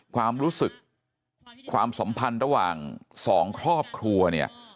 ความรู้สึกความสัมพันธ์ระหว่างสองครอบครัวเนี่ย